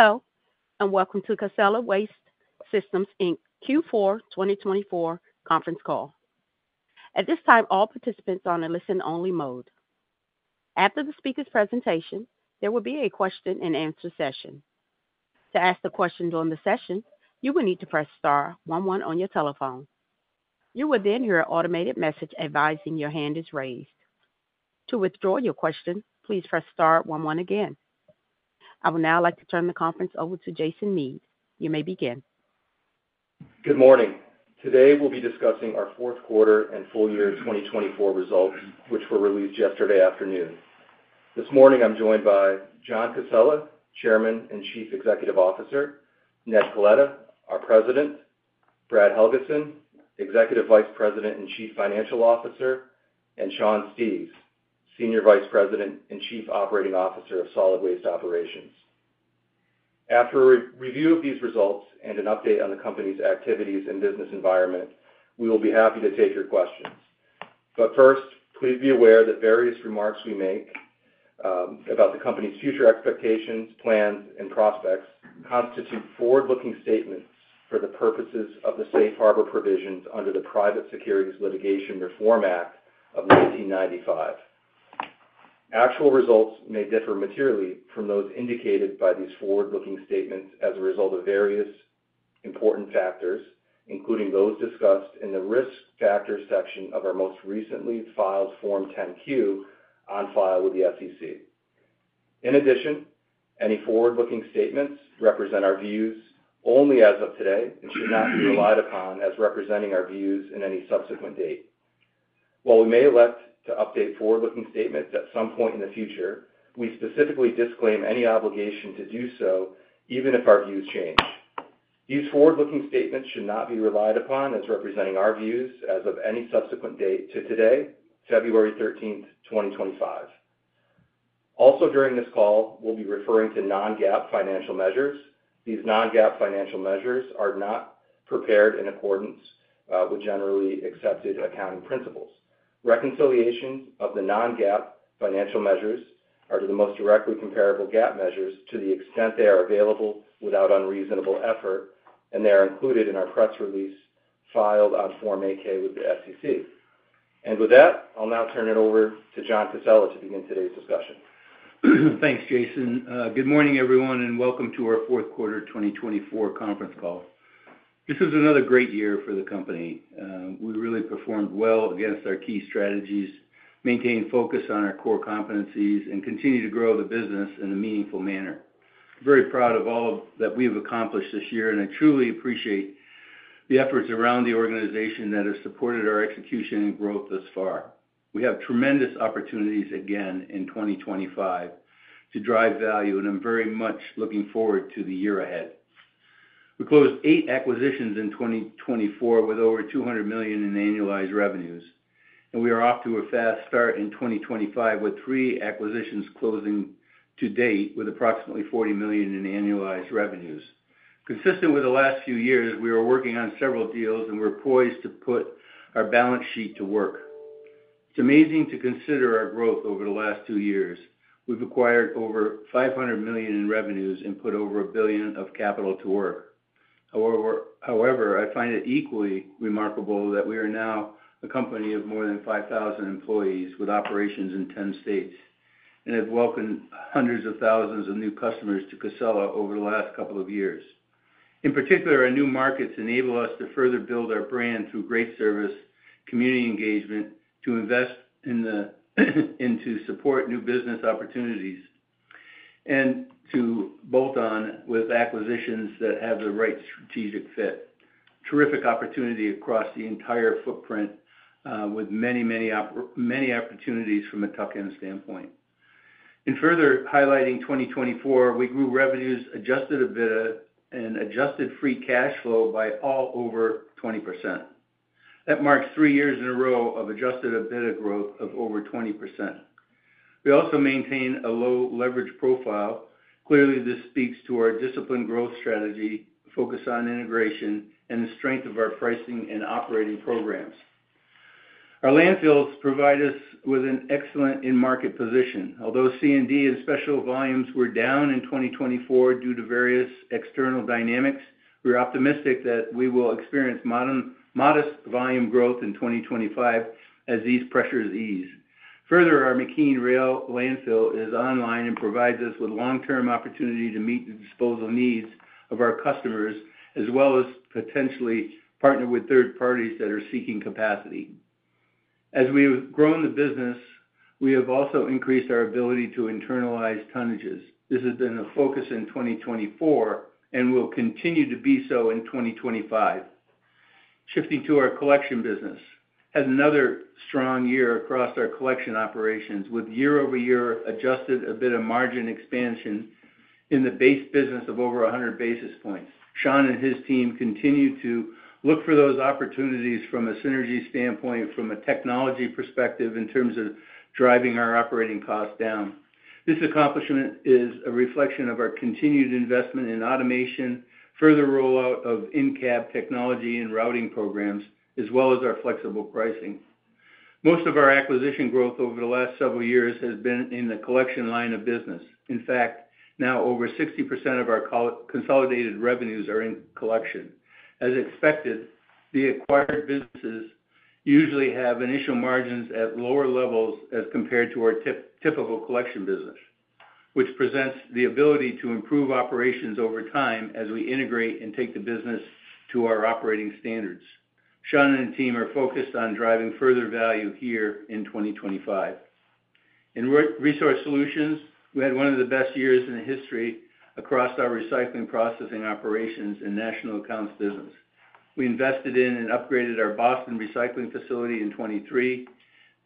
Hello, and welcome to Casella Waste Systems, Inc. Q4 2024 conference call. At this time, all participants are on a listen-only mode. After the speaker's presentation, there will be a question-and-answer session. To ask a question during the session, you will need to press star one one on your telephone. You will then hear an automated message advising your hand is raised. To withdraw your question, please press star one one again. I would now like to turn the conference over to Jason Mead. You may begin. Good morning. Today, we'll be discussing our Q4 and full year 2024 results, which were released yesterday afternoon. This morning, I'm joined by John Casella, Chairman and Chief Executive Officer, Ned Coletta, our President, Brad Helgeson, Executive Vice President and Chief Financial Officer, and Sean Steves, Senior Vice President and Chief Operating Officer of Solid Waste Operations. After a review of these results and an update on the company's activities and business environment, we will be happy to take your questions. But first, please be aware that various remarks we make about the company's future expectations, plans, and prospects constitute forward-looking statements for the purposes of the Safe Harbor Provisions under the Private Securities Litigation Reform Act of 1995. Actual results may differ materially from those indicated by these forward-looking statements as a result of various important factors, including those discussed in the risk factors section of our most recently filed Form 10-Q on file with the SEC. In addition, any forward-looking statements represent our views only as of today and should not be relied upon as representing our views in any subsequent date. While we may elect to update forward-looking statements at some point in the future, we specifically disclaim any obligation to do so even if our views change. These forward-looking statements should not be relied upon as representing our views as of any subsequent date to today, February 13, 2025. Also, during this call, we'll be referring to non-GAAP financial measures. These non-GAAP financial measures are not prepared in accordance with generally accepted accounting principles. Reconciliations of the non-GAAP financial measures are the most directly comparable GAAP measures to the extent they are available without unreasonable effort, and they are included in our press release filed on Form 8-K with the SEC. With that, I'll now turn it over to John Casella to begin today's discussion. Thanks, Jason. Good morning, everyone, and welcome to our Q4 2024 conference call. This is another great year for the company. We really performed well against our key strategies, maintained focus on our core competencies, and continued to grow the business in a meaningful manner. I'm very proud of all that we've accomplished this year, and I truly appreciate the efforts around the organization that have supported our execution and growth thus far. We have tremendous opportunities again in 2025 to drive value, and I'm very much looking forward to the year ahead. We closed eight acquisitions in 2024 with over $200 million in annualized revenues, and we are off to a fast start in 2025 with three acquisitions closing to date with approximately $40 million in annualized revenues. Consistent with the last few years, we are working on several deals, and we're poised to put our balance sheet to work. It's amazing to consider our growth over the last two years. We've acquired over $500 million in revenues and put over $1 billion of capital to work. However, I find it equally remarkable that we are now a company of more than 5,000 employees with operations in 10 states and have welcomed hundreds of thousands of new customers to Casella over the last couple of years. In particular, our new markets enable us to further build our brand through great service, community engagement, to invest in the support of new business opportunities, and to bolt on with acquisitions that have the right strategic fit. Terrific opportunity across the entire footprint with many, many opportunities from a tuck-in standpoint. In further highlighting 2024, we grew revenues, Adjusted EBITDA, and Adjusted Free Cash Flow by all over 20%. That marks three years in a row of Adjusted EBITDA growth of over 20%. We also maintain a low leverage profile. Clearly, this speaks to our disciplined growth strategy, focus on integration, and the strength of our pricing and operating programs. Our landfills provide us with an excellent in-market position. Although C&D and special volumes were down in 2024 due to various external dynamics, we're optimistic that we will experience modest volume growth in 2025 as these pressures ease. Further, our McKean Landfill is online and provides us with long-term opportunity to meet the disposal needs of our customers, as well as potentially partner with third parties that are seeking capacity. As we have grown the business, we have also increased our ability to internalize tonnages. This has been the focus in 2024 and will continue to be so in 2025. Shifting to our collection business, it has been another strong year across our collection operations with year-over-year Adjusted EBITDA margin expansion in the base business of over 100 basis points. Sean and his team continue to look for those opportunities from a synergy standpoint, from a technology perspective in terms of driving our operating costs down. This accomplishment is a reflection of our continued investment in automation, further rollout of in-cab technology and routing programs, as well as our flexible pricing. Most of our acquisition growth over the last several years has been in the collection line of business. In fact, now over 60% of our consolidated revenues are in collection. As expected, the acquired businesses usually have initial margins at lower levels as compared to our typical collection business, which presents the ability to improve operations over time as we integrate and take the business to our operating standards. Sean and the team are focused on driving further value here in 2025. In resource solutions, we had one of the best years in history across our recycling processing operations and national accounts business. We invested in and upgraded our Boston recycling facility in 2023.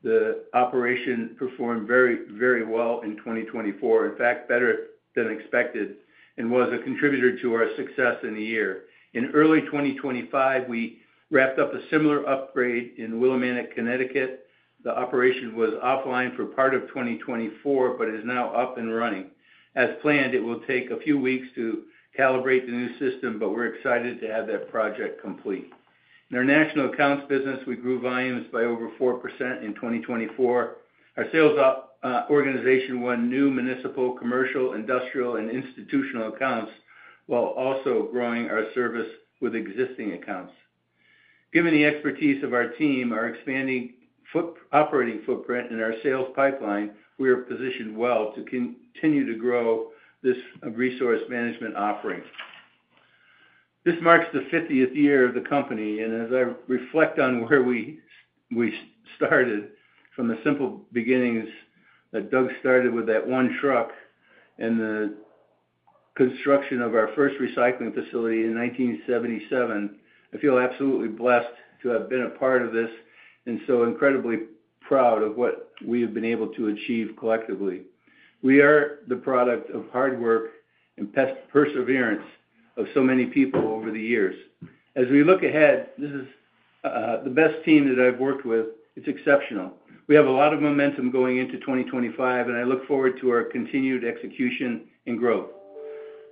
The operation performed very, very well in 2024, in fact, better than expected, and was a contributor to our success in the year. In early 2025, we wrapped up a similar upgrade in Willimantic, Connecticut. The operation was offline for part of 2024 but is now up and running. As planned, it will take a few weeks to calibrate the new system, but we're excited to have that project complete. In our national accounts business, we grew volumes by over 4% in 2024. Our sales organization won new municipal, commercial, industrial, and institutional accounts while also growing our service with existing accounts. Given the expertise of our team, our expanding operating footprint, and our sales pipeline, we are positioned well to continue to grow this resource management offering. This marks the 50th year of the company, and as I reflect on where we started from the simple beginnings that Doug started with that one truck and the construction of our first recycling facility in 1977, I feel absolutely blessed to have been a part of this and so incredibly proud of what we have been able to achieve collectively. We are the product of hard work and perseverance of so many people over the years. As we look ahead, this is the best team that I've worked with. It's exceptional. We have a lot of momentum going into 2025, and I look forward to our continued execution and growth,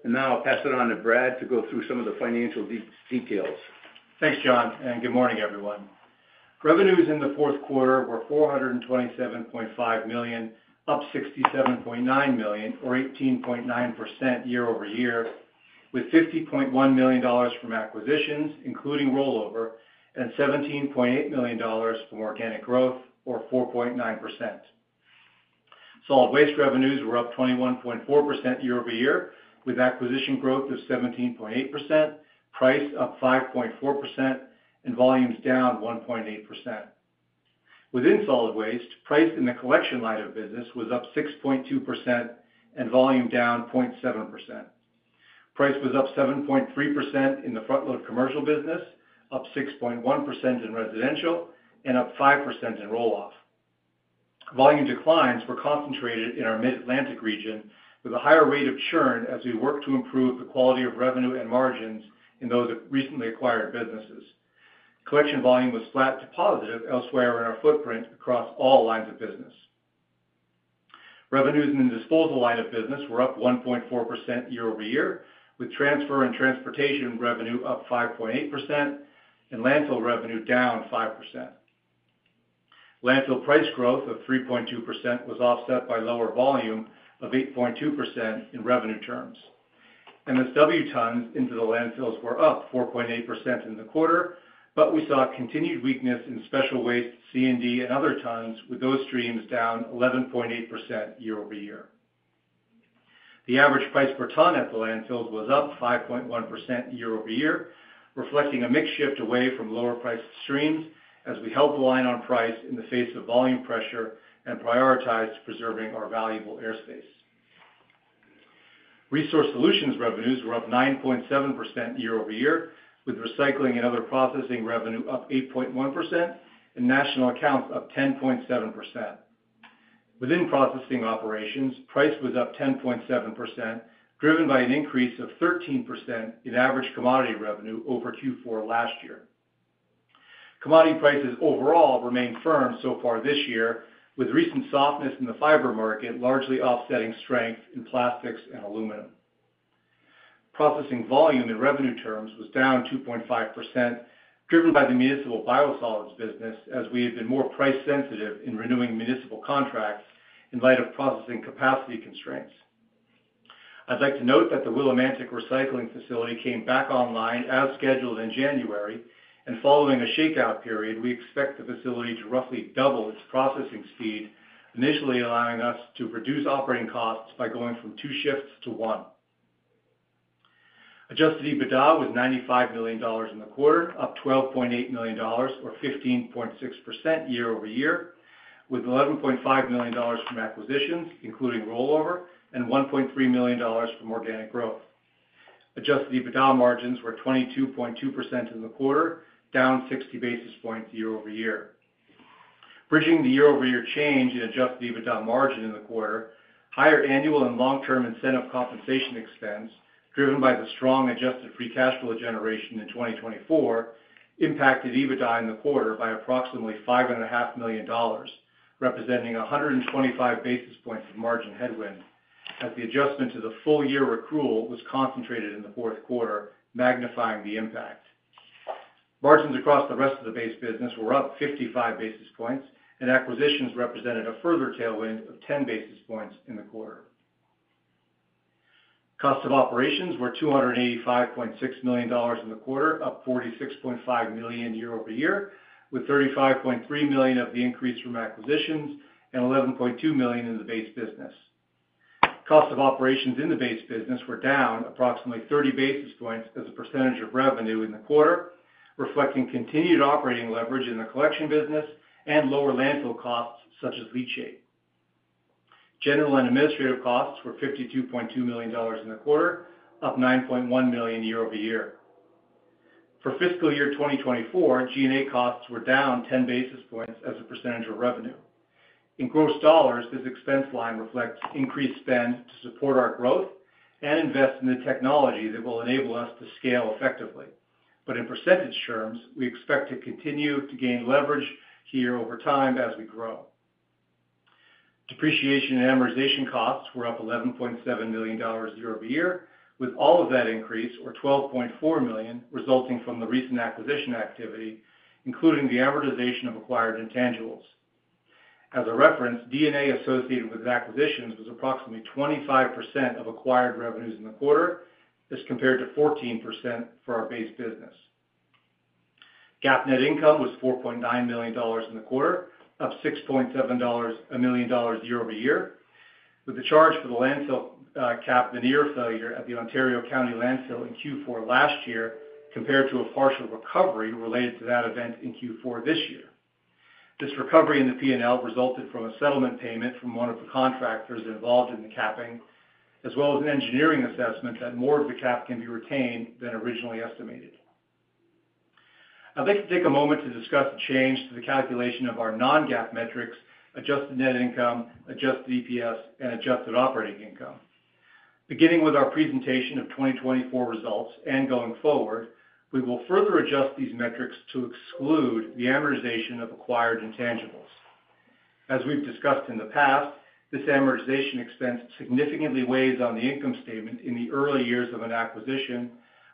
and now I'll pass it on to Brad to go through some of the financial details. Thanks, John, and good morning, everyone. Revenues in the Q4 were $427.5 million, up $67.9 million, or 18.9% year-over-year, with $50.1 million from acquisitions, including rollover, and $17.8 million from organic growth, or 4.9%. Solid waste revenues were up 21.4% year-over-year, with acquisition growth of 17.8%, price up 5.4%, and volumes down 1.8%. Within solid waste, price in the collection line of business was up 6.2% and volume down 0.7%. Price was up 7.3% in the front-load commercial business, up 6.1% in residential, and up 5% in roll-off. Volume declines were concentrated in our Mid-Atlantic region with a higher rate of churn as we worked to improve the quality of revenue and margins in those recently acquired businesses. Collection volume was flat to positive elsewhere in our footprint across all lines of business. Revenues in the disposal line of business were up 1.4% year-over-year, with transfer and transportation revenue up 5.8% and landfill revenue down 5%. Landfill price growth of 3.2% was offset by lower volume of 8.2% in revenue terms. MSW tons into the landfills were up 4.8% in the quarter, but we saw continued weakness in special waste, C&D, and other tons, with those streams down 11.8% year-over-year. The average price per ton at the landfills was up 5.1% year-over-year, reflecting a mixed shift away from lower price streams as we help align on price in the face of volume pressure and prioritize preserving our valuable airspace. Resource solutions revenues were up 9.7% year-over-year, with recycling and other processing revenue up 8.1% and national accounts up 10.7%. Within processing operations, price was up 10.7%, driven by an increase of 13% in average commodity revenue over Q4 last year. Commodity prices overall remained firm so far this year, with recent softness in the fiber market largely offsetting strength in plastics and aluminum. Processing volume in revenue terms was down 2.5%, driven by the municipal biosolids business as we have been more price-sensitive in renewing municipal contracts in light of processing capacity constraints. I'd like to note that the Willimantic recycling facility came back online as scheduled in January, and following a shakeout period, we expect the facility to roughly double its processing speed, initially allowing us to reduce operating costs by going from two shifts to one. Adjusted EBITDA was $95 million in the quarter, up $12.8 million, or 15.6% year-over-year, with $11.5 million from acquisitions, including rollover, and $1.3 million from organic growth. Adjusted EBITDA margins were 22.2% in the quarter, down 60 basis points year-over-year. Bridging the year-over-year change in Adjusted EBITDA margin in the quarter, higher annual and long-term incentive compensation expense, driven by the strong Adjusted Free Cash Flow generation in 2024, impacted EBITDA in the quarter by approximately $5.5 million, representing 125 basis points of margin headwind, as the adjustment to the full-year accrual was concentrated in the Q4, magnifying the impact. Margins across the rest of the base business were up 55 basis points, and acquisitions represented a further tailwind of 10 basis points in the quarter. Cost of operations were $285.6 million in the quarter, up $46.5 million year-over-year, with $35.3 million of the increase from acquisitions and $11.2 million in the base business. Cost of operations in the base business were down approximately 30 basis points as a percentage of revenue in the quarter, reflecting continued operating leverage in the collection business and lower landfill costs such as leachate. General and administrative costs were $52.2 million in the quarter, up $9.1 million year-over-year. For fiscal year 2024, G&A costs were down 10 basis points as a percentage of revenue. In gross dollars, this expense line reflects increased spend to support our growth and invest in the technology that will enable us to scale effectively. But in percentage terms, we expect to continue to gain leverage here over time as we grow. Depreciation and amortization costs were up $11.7 million year-over-year, with all of that increase, or $12.4 million, resulting from the recent acquisition activity, including the amortization of acquired intangibles. As a reference, D&A associated with acquisitions was approximately 25% of acquired revenues in the quarter. This compared to 14% for our base business. GAAP net income was $4.9 million in the quarter, up $6.7 million year-over-year, with the charge for the landfill cap in the liner failure at the Ontario County Landfill in Q4 last year compared to a partial recovery related to that event in Q4 this year. This recovery in the P&L resulted from a settlement payment from one of the contractors involved in the capping, as well as an engineering assessment that more of the cap can be retained than originally estimated. I'd like to take a moment to discuss the change to the calculation of our non-GAAP metrics, adjusted net income, adjusted EPS, and adjusted operating income. Beginning with our presentation of 2024 results and going forward, we will further adjust these metrics to exclude the amortization of acquired intangibles. As we've discussed in the past, this amortization expense significantly weighs on the income statement in the early years of an acquisition,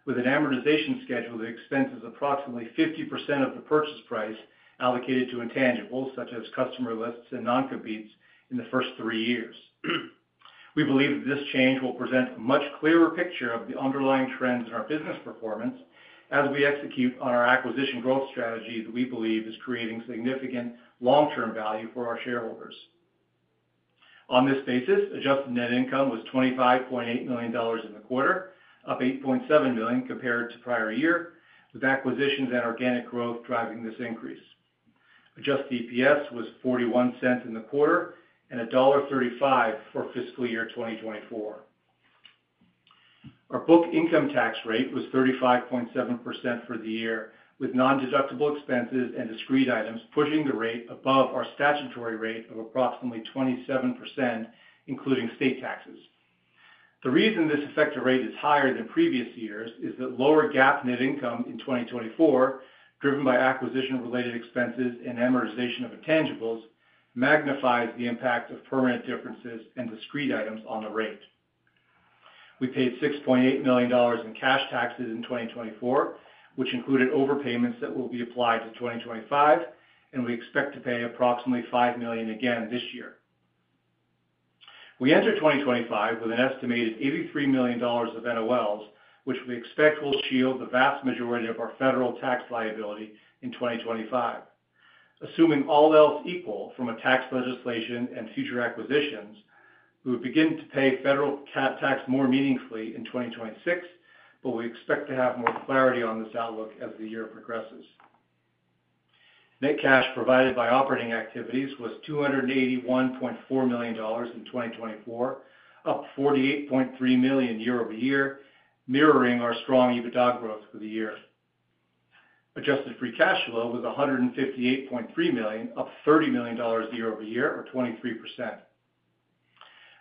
with an amortization schedule that expenses approximately 50% of the purchase price allocated to intangibles such as customer lists and non-competes in the first three years. We believe that this change will present a much clearer picture of the underlying trends in our business performance as we execute on our acquisition growth strategy that we believe is creating significant long-term value for our shareholders. On this basis, adjusted net income was $25.8 million in the quarter, up $8.7 million compared to prior year, with acquisitions and organic growth driving this increase. Adjusted EPS was $0.41 in the quarter and $1.35 for fiscal year 2024. Our book income tax rate was 35.7% for the year, with non-deductible expenses and discrete items pushing the rate above our statutory rate of approximately 27%, including state taxes. The reason this effective rate is higher than previous years is that lower GAAP net income in 2024, driven by acquisition-related expenses and amortization of intangibles, magnifies the impact of permanent differences and discrete items on the rate. We paid $6.8 million in cash taxes in 2024, which included overpayments that will be applied to 2025, and we expect to pay approximately $5 million again this year. We enter 2025 with an estimated $83 million of NOLs, which we expect will shield the vast majority of our federal tax liability in 2025. Assuming all else equal from a tax legislation and future acquisitions, we will begin to pay federal tax more meaningfully in 2026, but we expect to have more clarity on this outlook as the year progresses. Net cash provided by operating activities was $281.4 million in 2024, up $48.3 million year-over-year, mirroring our strong EBITDA growth for the year. Adjusted free cash flow was $158.3 million, up $30 million year-over-year, or 23%.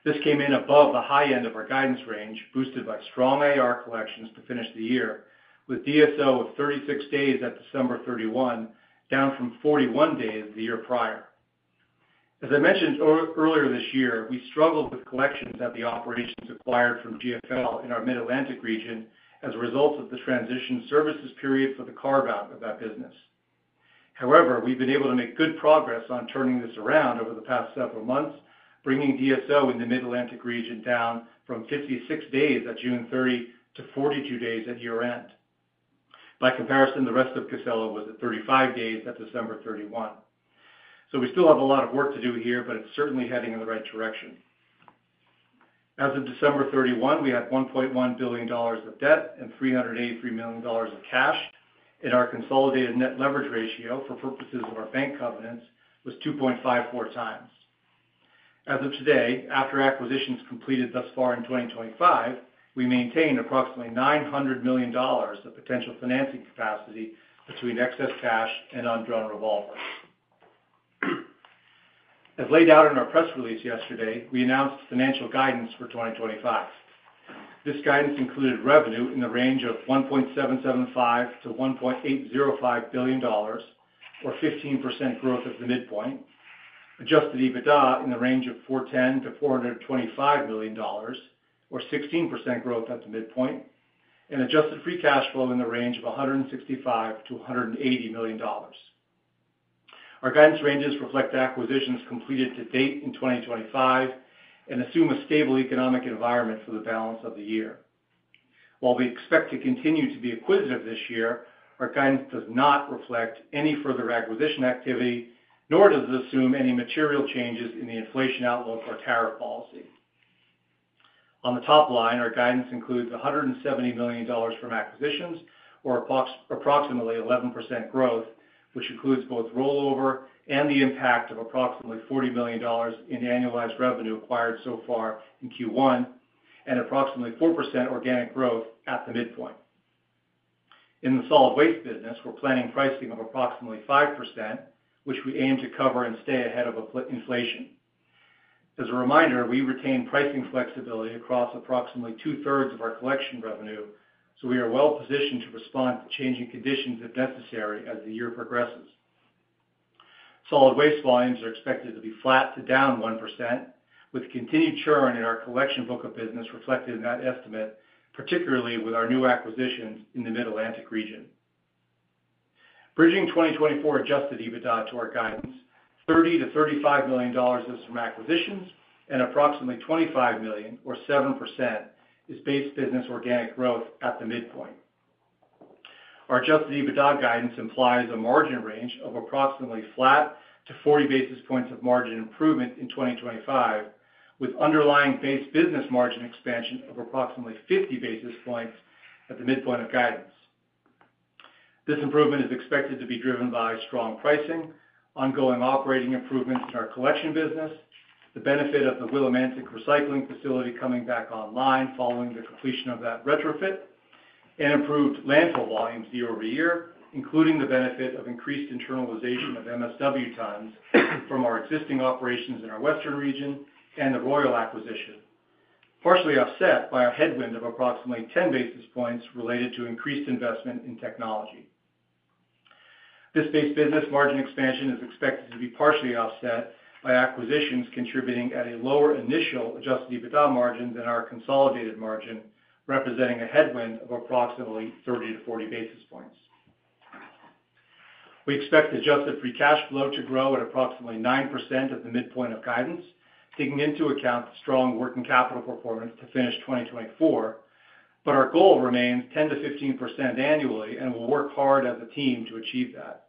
This came in above the high end of our guidance range, boosted by strong AR collections to finish the year, with DSO of 36 days at December 31, down from 41 days the year prior. As I mentioned earlier this year, we struggled with collections at the operations acquired from GFL in our Mid-Atlantic region as a result of the transition services period for the carve-out of that business. However, we've been able to make good progress on turning this around over the past several months, bringing DSO in the Mid-Atlantic region down from 56 days at June 30 to 42 days at year-end. By comparison, the rest of Casella was at 35 days at December 31. So we still have a lot of work to do here, but it's certainly heading in the right direction. As of December 31, we had $1.1 billion of debt and $383 million of cash, and our consolidated net leverage ratio for purposes of our bank covenants was 2.54 times. As of today, after acquisitions completed thus far in 2025, we maintain approximately $900 million of potential financing capacity between excess cash and undrawn revolver. As laid out in our press release yesterday, we announced financial guidance for 2025. This guidance included revenue in the range of $1.775-$1.805 billion, or 15% growth at the midpoint, Adjusted EBITDA in the range of $410-$425 million, or 16% growth at the midpoint, and Adjusted Free Cash Flow in the range of $165-$180 million. Our guidance ranges reflect acquisitions completed to date in 2025 and assume a stable economic environment for the balance of the year. While we expect to continue to be acquisitive this year, our guidance does not reflect any further acquisition activity, nor does it assume any material changes in the inflation outlook or tariff policy. On the top line, our guidance includes $170 million from acquisitions, or approximately 11% growth, which includes both rollover and the impact of approximately $40 million in annualized revenue acquired so far in Q1, and approximately 4% organic growth at the midpoint. In the solid waste business, we're planning pricing of approximately 5%, which we aim to cover and stay ahead of inflation. As a reminder, we retain pricing flexibility across approximately two-thirds of our collection revenue, so we are well-positioned to respond to changing conditions if necessary as the year progresses. Solid waste volumes are expected to be flat to down 1%, with continued churn in our collection book of business reflected in that estimate, particularly with our new acquisitions in the Mid-Atlantic region. Bridging 2024 Adjusted EBITDA to our guidance, $30-$35 million is from acquisitions, and approximately $25 million, or 7%, is base business organic growth at the midpoint. Our Adjusted EBITDA guidance implies a margin range of approximately flat to 40 basis points of margin improvement in 2025, with underlying base business margin expansion of approximately 50 basis points at the midpoint of guidance. This improvement is expected to be driven by strong pricing, ongoing operating improvements in our collection business, the benefit of the Willimantic recycling facility coming back online following the completion of that retrofit, and improved landfill volumes year-over-year, including the benefit of increased internalization of MSW tons from our existing operations in our Western Region and the Royal acquisition, partially offset by a headwind of approximately 10 basis points related to increased investment in technology. This base business margin expansion is expected to be partially offset by acquisitions contributing at a lower initial Adjusted EBITDA margin than our consolidated margin, representing a headwind of approximately 30-40 basis points. We expect adjusted free cash flow to grow at approximately 9% at the midpoint of guidance, taking into account strong working capital performance to finish 2024, but our goal remains 10%-15% annually and will work hard as a team to achieve that.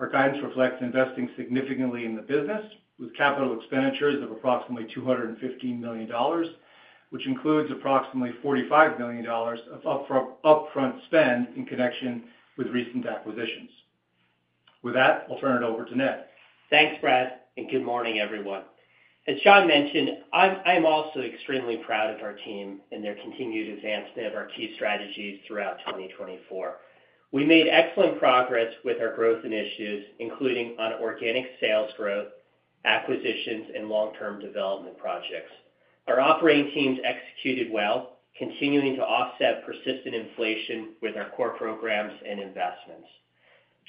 Our guidance reflects investing significantly in the business, with capital expenditures of approximately $215 million, which includes approximately $45 million of upfront spend in connection with recent acquisitions. With that, I'll turn it over to Ned. Thanks, Brad, and good morning, everyone. As Sean mentioned, I'm also extremely proud of our team and their continued advancement of our key strategies throughout 2024. We made excellent progress with our growth initiatives, including on organic sales growth, acquisitions, and long-term development projects. Our operating teams executed well, continuing to offset persistent inflation with our core programs and investments.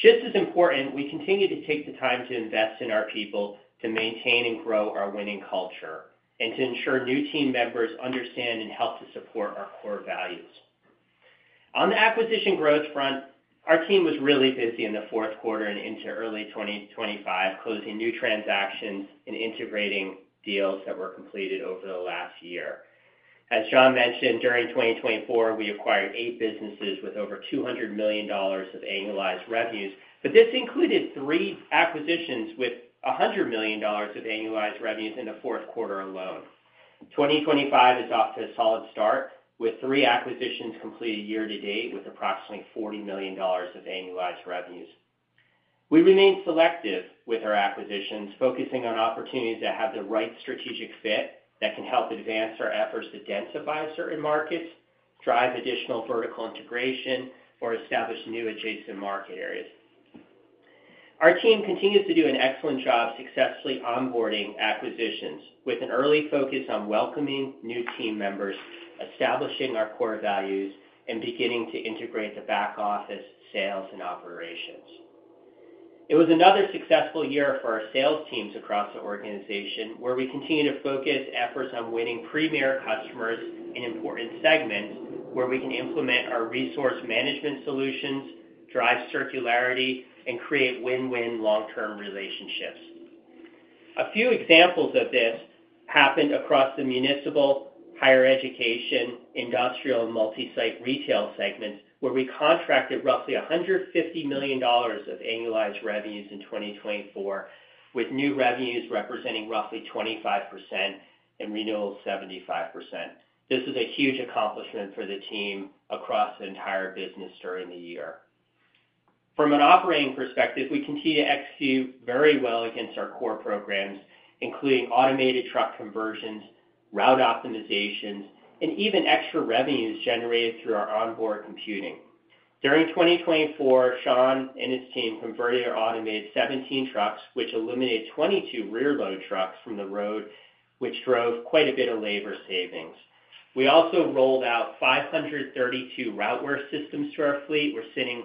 Just as important, we continue to take the time to invest in our people to maintain and grow our winning culture and to ensure new team members understand and help to support our core values. On the acquisition growth front, our team was really busy in the Q4 and into early 2025, closing new transactions and integrating deals that were completed over the last year. As Sean mentioned, during 2024, we acquired eight businesses with over $200 million of annualized revenues, but this included three acquisitions with $100 million of annualized revenues in the Q4 alone. 2025 is off to a solid start with three acquisitions completed year-to-date with approximately $40 million of annualized revenues. We remain selective with our acquisitions, focusing on opportunities that have the right strategic fit that can help advance our efforts to densify certain markets, drive additional vertical integration, or establish new adjacent market areas. Our team continues to do an excellent job successfully onboarding acquisitions, with an early focus on welcoming new team members, establishing our core values, and beginning to integrate the back office, sales, and operations. It was another successful year for our sales teams across the organization, where we continue to focus efforts on winning premier customers in important segments where we can implement our resource management solutions, drive circularity, and create win-win long-term relationships. A few examples of this happened across the municipal, higher education, industrial, and multi-site retail segments, where we contracted roughly $150 million of annualized revenues in 2024, with new revenues representing roughly 25% and renewals 75%. This is a huge accomplishment for the team across the entire business during the year. From an operating perspective, we continue to execute very well against our core programs, including automated truck conversions, route optimizations, and even extra revenues generated through our onboard computing. During 2024, Sean and his team converted or automated 17 trucks, which eliminated 22 rear-load trucks from the road, which drove quite a bit of labor savings. We also rolled out 532 Routeware systems to our fleet, which is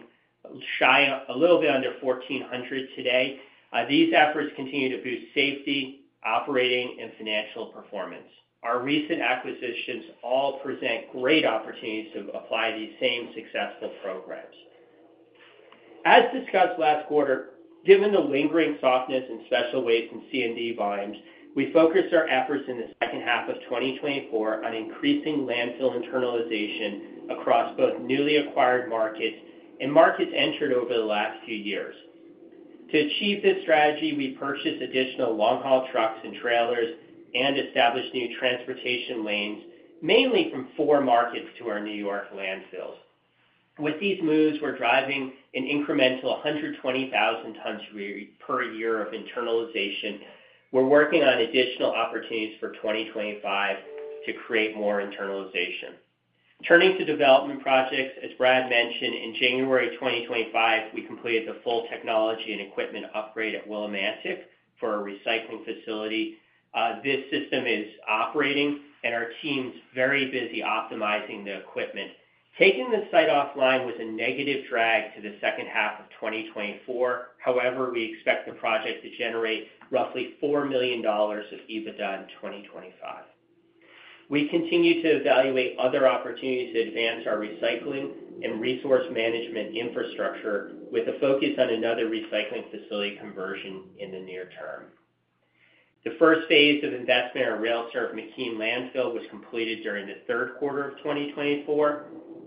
a little bit under 1,400 today. These efforts continue to boost safety, operating, and financial performance. Our recent acquisitions all present great opportunities to apply these same successful programs. As discussed last quarter, given the lingering softness in special waste and C&D volumes, we focused our efforts in the second half of 2024 on increasing landfill internalization across both newly acquired markets and markets entered over the last few years. To achieve this strategy, we purchased additional long-haul trucks and trailers and established new transportation lanes, mainly from four markets to our New York landfills. With these moves, we're driving an incremental 120,000 tons per year of internalization. We're working on additional opportunities for 2025 to create more internalization. Turning to development projects, as Brad mentioned, in January 2025, we completed the full technology and equipment upgrade at Willimantic for our recycling facility. This system is operating, and our team's very busy optimizing the equipment. Taking the site offline was a negative drag to the second half of 2024. However, we expect the project to generate roughly $4 million of EBITDA in 2025. We continue to evaluate other opportunities to advance our recycling and resource management infrastructure, with a focus on another recycling facility conversion in the near term. The first phase of investment in our rail service McKean Landfill was completed during the Q3 of 2024.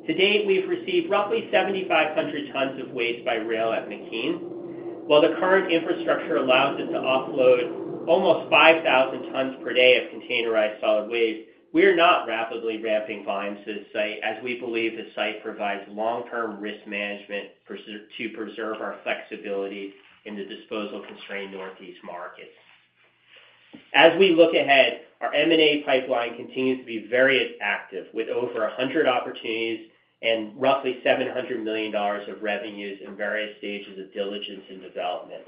To date, we've received roughly 7,500 tons of waste by rail at McKean. While the current infrastructure allows us to offload almost 5,000 tons per day of containerized solid waste, we are not rapidly ramping volumes to the site, as we believe the site provides long-term risk management to preserve our flexibility in the disposal-constrained northeast markets. As we look ahead, our M&A pipeline continues to be very active, with over 100 opportunities and roughly $700 million of revenues in various stages of diligence and development.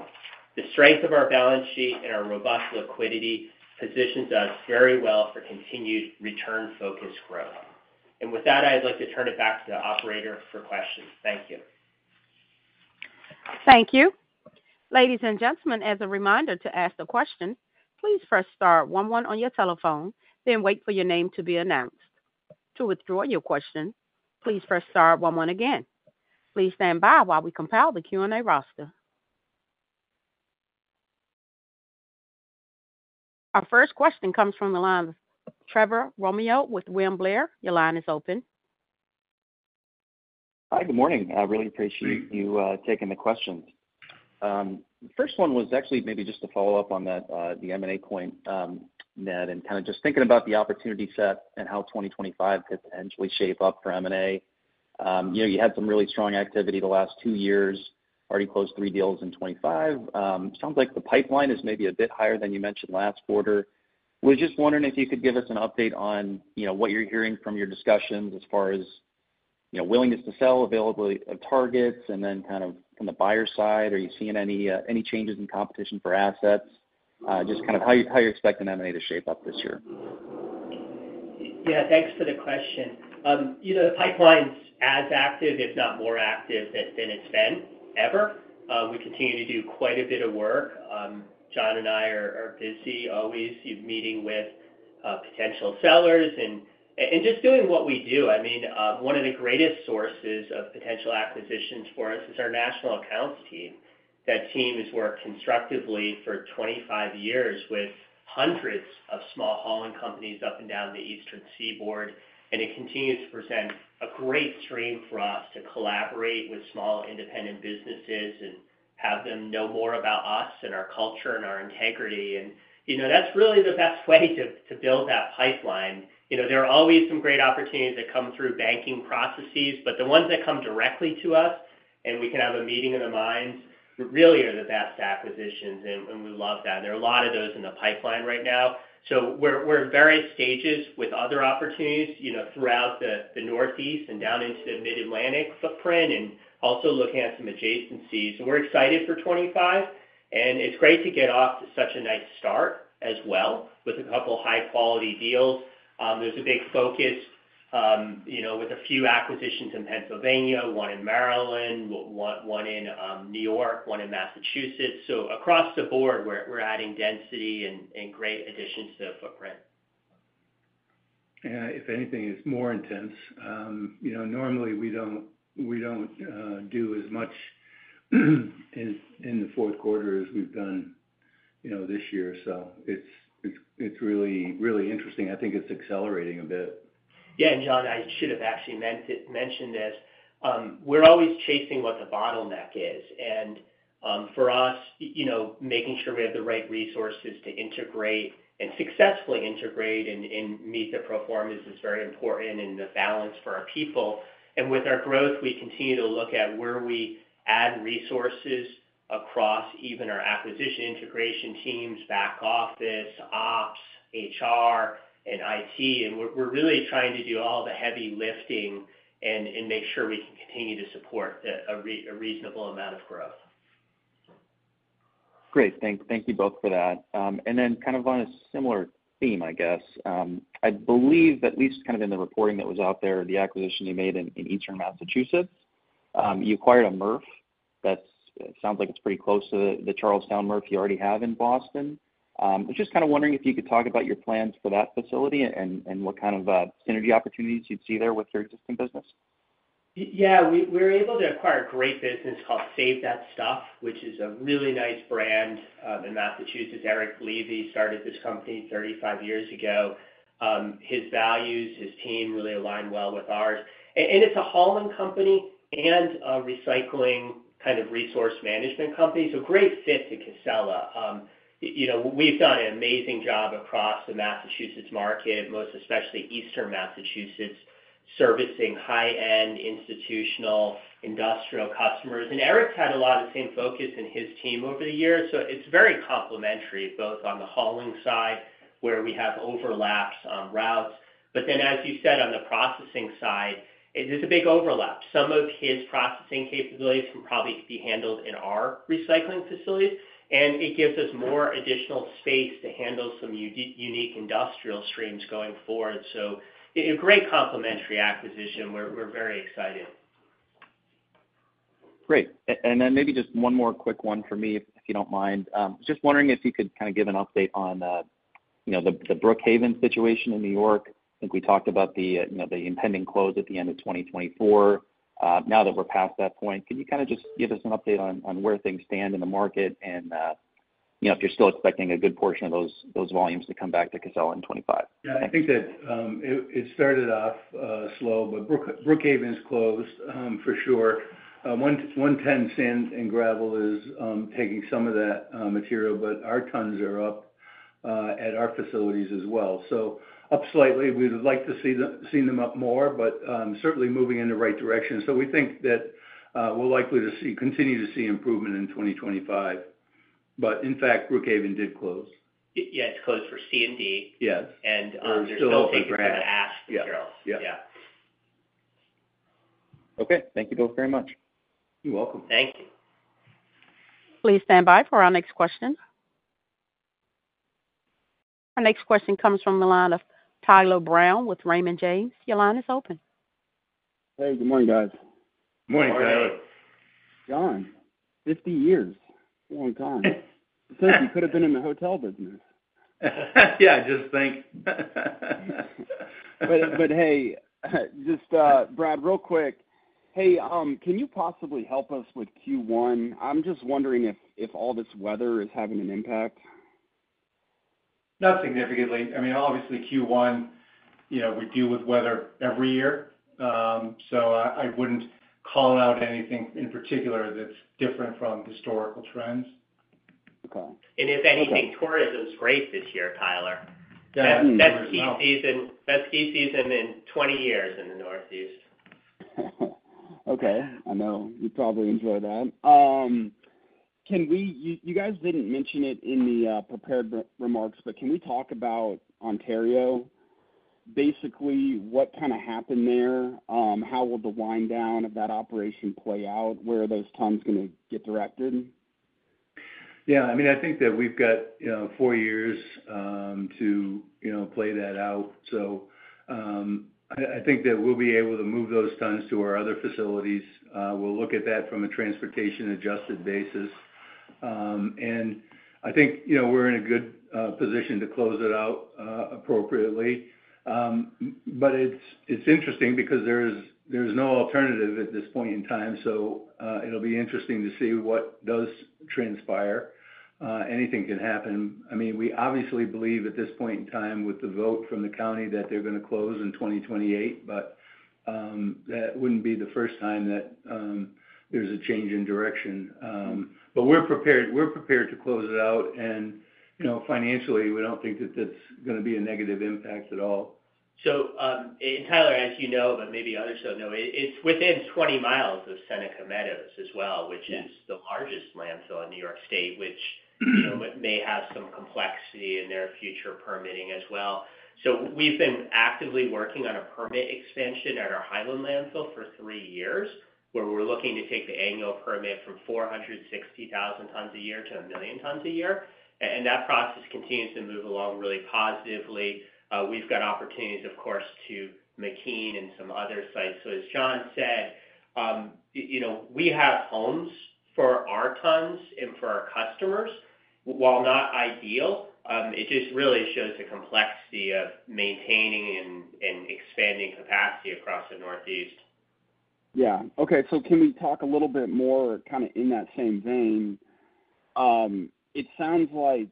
The strength of our balance sheet and our robust liquidity positions us very well for continued return-focused growth. And with that, I'd like to turn it back to the operator for questions. Thank you. Thank you. Ladies and gentlemen, as a reminder to ask the question, please press star one one on your telephone, then wait for your name to be announced. To withdraw your question, please press star one one again. Please stand by while we compile the Q&A roster. Our first question comes from the line of Trevor Romeo with William Blair. Your line is open. Hi, good morning. I really appreciate you taking the questions. The first one was actually maybe just to follow up on the M&A point, Ned, and kind of just thinking about the opportunity set and how 2025 could potentially shape up for M&A. You had some really strong activity the last two years, already closed three deals in 2025. Sounds like the pipeline is maybe a bit higher than you mentioned last quarter. We're just wondering if you could give us an update on what you're hearing from your discussions as far as willingness to sell, availability of targets, and then kind of from the buyer side, are you seeing any changes in competition for assets? Just kind of how you're expecting M&A to shape up this year? Yeah, thanks for the question. The pipeline's as active, if not more active than it's been ever. We continue to do quite a bit of work. John and I are busy always meeting with potential sellers and just doing what we do. I mean, one of the greatest sources of potential acquisitions for us is our national accounts team. That team has worked constructively for 25 years with hundreds of small hauling companies up and down the Eastern Seaboard, and it continues to present a great stream for us to collaborate with small independent businesses and have them know more about us and our culture and our integrity, and that's really the best way to build that pipeline. There are always some great opportunities that come through banking processes, but the ones that come directly to us and we can have a meeting of the minds really are the best acquisitions, and we love that. There are a lot of those in the pipeline right now, so we're in various stages with other opportunities throughout the Northeast and down into the Mid-Atlantic footprint and also looking at some adjacencies. We're excited for 2025, and it's great to get off to such a nice start as well with a couple of high-quality deals. There's a big focus with a few acquisitions in Pennsylvania, one in Maryland, one in New York, one in Massachusetts, so across the board, we're adding density and great additions to the footprint. Yeah, if anything, it's more intense. Normally, we don't do as much in the Q4 as we've done this year. So it's really interesting. I think it's accelerating a bit. Yeah, and John, I should have actually mentioned this. We're always chasing what the bottleneck is. And for us, making sure we have the right resources to integrate and successfully integrate and meet the performance is very important in the balance for our people. And with our growth, we continue to look at where we add resources across even our acquisition integration teams, back office, ops, HR, and IT. And we're really trying to do all the heavy lifting and make sure we can continue to support a reasonable amount of growth. Great. Thank you both for that. And then kind of on a similar theme, I guess, I believe at least kind of in the reporting that was out there, the acquisition you made in Eastern Massachusetts, you acquired a MRF. It sounds like it's pretty close to the Charlestown MRF you already have in Boston. I'm just kind of wondering if you could talk about your plans for that facility and what kind of synergy opportunities you'd see there with your existing business. Yeah, we were able to acquire a great business called Save That Stuff, which is a really nice brand in Massachusetts. Erik Levy started this company 35 years ago. His values, his team really align well with ours. And it's a hauling company and a recycling kind of resource management company, so great fit to Casella. We've done an amazing job across the Massachusetts market, most especially Eastern Massachusetts, servicing high-end institutional industrial customers. And Erik's had a lot of the same focus in his team over the years. So it's very complementary, both on the hauling side where we have overlaps on routes, but then, as you said, on the processing side, there's a big overlap. Some of his processing capabilities can probably be handled in our recycling facilities, and it gives us more additional space to handle some unique industrial streams going forward. So a great complementary acquisition. We're very excited. Great. And then maybe just one more quick one for me, if you don't mind. Just wondering if you could kind of give an update on the Brookhaven situation in New York. I think we talked about the impending close at the end of 2024. Now that we're past that point, can you kind of just give us an update on where things stand in the market and if you're still expecting a good portion of those volumes to come back to Casella in 2025? Yeah, I think that it started off slow, but Brookhaven's closed for sure. 110 Sand and Gravel is taking some of that material, but our tons are up at our facilities as well. So up slightly. We'd like to see them up more, but certainly moving in the right direction. So we think that we're likely to continue to see improvement in 2025. But in fact, Brookhaven did close. Yeah, it's closed for C&D. Yes. They're still taking that C&D hauls. Yeah. Okay. Thank you both very much. You're welcome. Thank you. Please stand by for our next question. Our next question comes from the line of Tyler Brown with Raymond James. Your line is open. Hey, good morning, guys. Good morning, Tyler. John, 50 years. Long time. You could have been in the hotel business. Yeah, just think. But hey, just Brad, real quick, hey, can you possibly help us with Q1? I'm just wondering if all this weather is having an impact. Not significantly. I mean, obviously, Q1, we deal with weather every year. So I wouldn't call out anything in particular that's different from historical trends. If anything, tourism's great this year, Tyler. Yeah, we're doing really well. That's ski season in 20 years in the Northeast. Okay. I know. You probably enjoy that. You guys didn't mention it in the prepared remarks, but can we talk about Ontario? Basically, what kind of happened there? How will the wind down of that operation play out? Where are those tons going to get directed? Yeah. I mean, I think that we've got four years to play that out. So I think that we'll be able to move those tons to our other facilities. We'll look at that from a transportation-adjusted basis. And I think we're in a good position to close it out appropriately. But it's interesting because there's no alternative at this point in time. So it'll be interesting to see what does transpire. Anything can happen. I mean, we obviously believe at this point in time with the vote from the county that they're going to close in 2028, but that wouldn't be the first time that there's a change in direction. But we're prepared to close it out. And financially, we don't think that that's going to be a negative impact at all. And Tyler, as you know, but maybe others don't know, it's within 20 mi of Seneca Meadows as well, which is the largest landfill in New York State, which may have some complexity in their future permitting as well. So we've been actively working on a permit expansion at our Highland Landfill for three years, where we're looking to take the annual permit from 460,000 tons a year to a million tons a year. And that process continues to move along really positively. We've got opportunities, of course, to McKean and some other sites. So as John said, we have homes for our tons and for our customers. While not ideal, it just really shows the complexity of maintaining and expanding capacity across the Northeast. Yeah. Okay. So can we talk a little bit more kind of in that same vein? It sounds like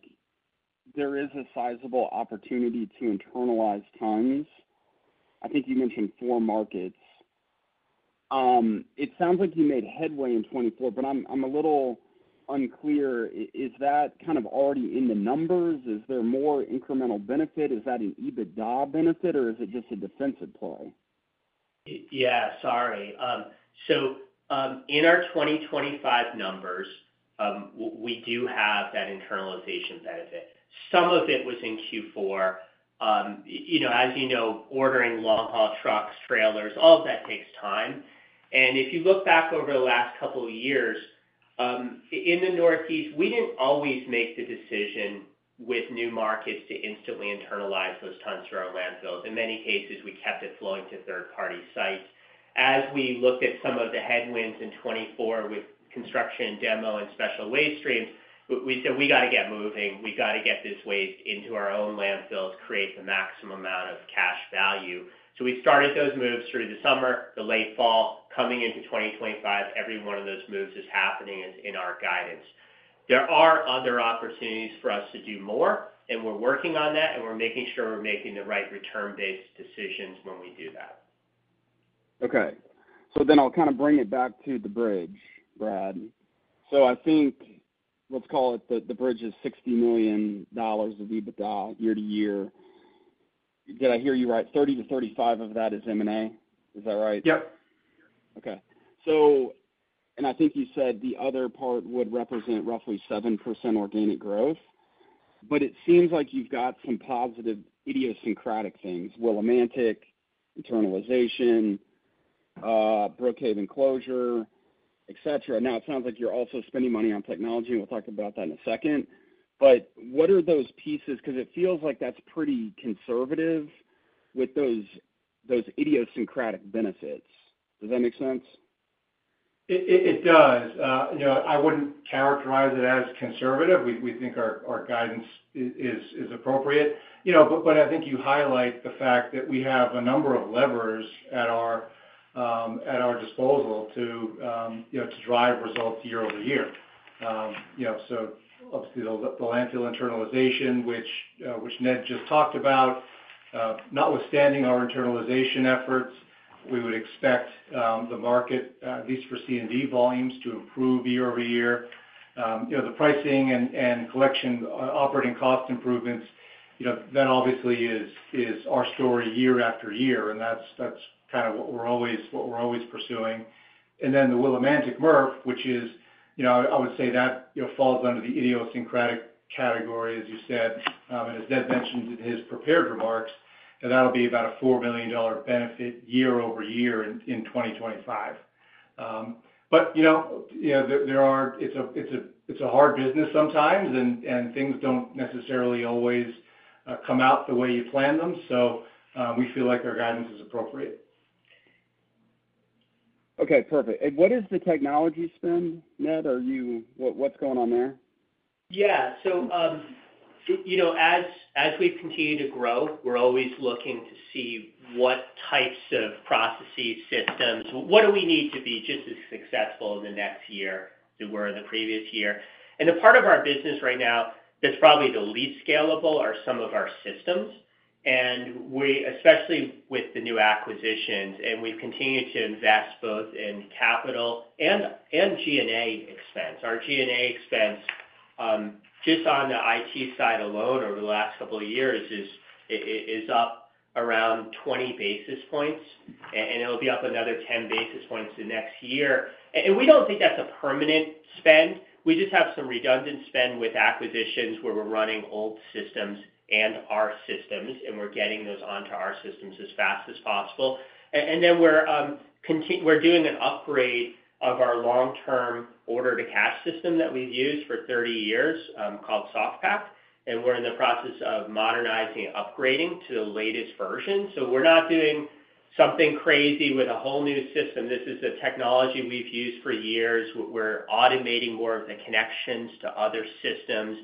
there is a sizable opportunity to internalize tons. I think you mentioned four markets. It sounds like you made headway in 2024, but I'm a little unclear. Is that kind of already in the numbers? Is there more incremental benefit? Is that an EBITDA benefit, or is it just a defensive play? Yeah, sorry. So in our 2025 numbers, we do have that internalization benefit. Some of it was in Q4. As you know, ordering long-haul trucks, trailers, all of that takes time. And if you look back over the last couple of years in the Northeast, we didn't always make the decision with new markets to instantly internalize those tons through our landfills. In many cases, we kept it flowing to third-party sites. As we looked at some of the headwinds in 2024 with construction, demo, and special waste streams, we said, "We got to get moving. We got to get this waste into our own landfills, create the maximum amount of cash value." So we started those moves through the summer, the late fall. Coming into 2025, every one of those moves is happening in our guidance. There are other opportunities for us to do more, and we're working on that, and we're making sure we're making the right return-based decisions when we do that. Okay. So then I'll kind of bring it back to the bridge, Brad. So I think let's call it the bridge is $60 million of EBITDA year to year. Did I hear you right? 30-35 of that is M&A. Is that right? Yep. Okay. And I think you said the other part would represent roughly 7% organic growth. But it seems like you've got some positive idiosyncratic things: Willimantic, internalization, Brookhaven closure, etc. Now, it sounds like you're also spending money on technology, and we'll talk about that in a second. But what are those pieces? Because it feels like that's pretty conservative with those idiosyncratic benefits. Does that make sense? It does. I wouldn't characterize it as conservative. We think our guidance is appropriate. But I think you highlight the fact that we have a number of levers at our disposal to drive results year over year. So obviously, the landfill internalization, which Ned just talked about, notwithstanding our internalization efforts, we would expect the market, at least for C&D volumes, to improve year over year. The pricing and collection, operating cost improvements, that obviously is our story year after year. And that's kind of what we're always pursuing. And then the Willimantic MRF, which is, I would say, that falls under the idiosyncratic category, as you said, and as Ned mentioned in his prepared remarks, that'll be about a $4 million benefit year over year in 2025. But there, it's a hard business sometimes, and things don't necessarily always come out the way you plan them. So we feel like our guidance is appropriate. Okay. Perfect. And what is the technology spend, Ned? What's going on there? Yeah. So as we continue to grow, we're always looking to see what types of processes, systems, what do we need to be just as successful in the next year than we were in the previous year. And a part of our business right now that's probably the least scalable are some of our systems, especially with the new acquisitions. And we've continued to invest both in capital and G&A expense. Our G&A expense, just on the IT side alone over the last couple of years, is up around 20 basis points. And it'll be up another 10 basis points the next year. And we don't think that's a permanent spend. We just have some redundant spend with acquisitions where we're running old systems and our systems, and we're getting those onto our systems as fast as possible. And then we're doing an upgrade of our long-term order-to-cash system that we've used for 30 years called Soft-Pak. And we're in the process of modernizing and upgrading to the latest version. So we're not doing something crazy with a whole new system. This is the technology we've used for years. We're automating more of the connections to other systems.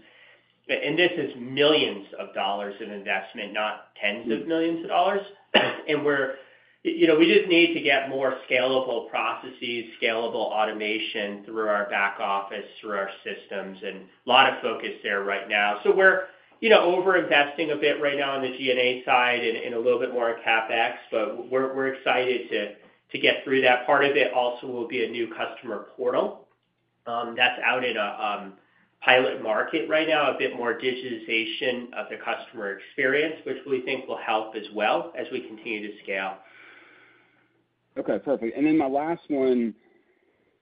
And this is millions of dollars of investment, not tens of millions of dollars. And we just need to get more scalable processes, scalable automation through our back office, through our systems, and a lot of focus there right now. So we're over-investing a bit right now on the G&A side and a little bit more in CapEx, but we're excited to get through that. Part of it also will be a new customer portal that's out in a pilot market right now, a bit more digitization of the customer experience, which we think will help as well as we continue to scale. Okay. Perfect. And then my last one.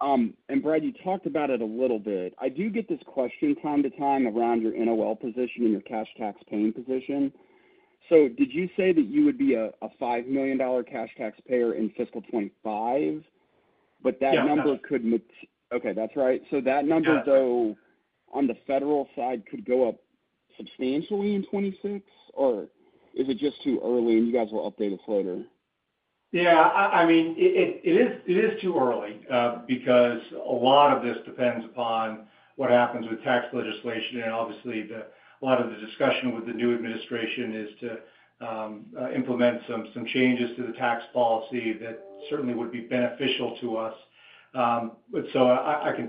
And Brad, you talked about it a little bit. I do get this question from time to time around your NOL position and your cash tax paying position. So did you say that you would be a $5 million cash tax payer in fiscal 2025? But that number could. Yes. Okay. That's right. So that number, though, on the federal side could go up substantially in 2026, or is it just too early and you guys will update it later? Yeah. I mean, it is too early because a lot of this depends upon what happens with tax legislation. And obviously, a lot of the discussion with the new administration is to implement some changes to the tax policy that certainly would be beneficial to us. So